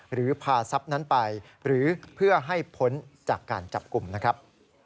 หรือพาทรัพย์นั้นไปหรือเพื่อให้พ้นจากการจับกลุ่มนะครับ